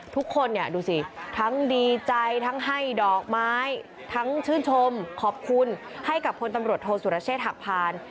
ทุกคนเนี่ยดูสิทั้งดีใจทั้งให้ดอกไม้ทั้งชื่นชมขอบคุณให้กับคนตำรวจโทษสุรเชษฐหักพาน